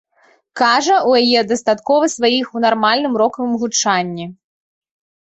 Кажа, у яе дастаткова сваіх у нармальным рокавым гучанні.